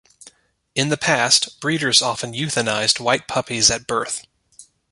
In the past, breeders often euthanized white puppies at birth.